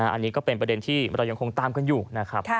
อันนี้ก็เป็นประเด็นที่เรายังคงตามกันอยู่นะครับ